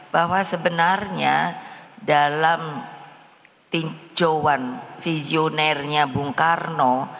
bahwa sebenarnya dalam tinjauan visionernya bung karno